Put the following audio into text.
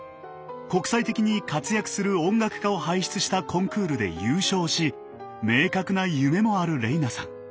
国際的に活躍する音楽家を輩出したコンクールで優勝し明確な夢もある玲那さん。